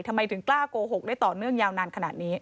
ทำไมถึงกล้าโกหกได้ต่อเนื่องยาวนานขนาดนี้